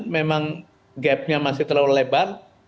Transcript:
memang gapnya masih terlalu lebar